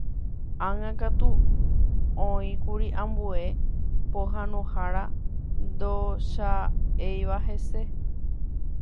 Ág̃akatu oĩkuri ambue pohãnohára ndocha'éiva hese.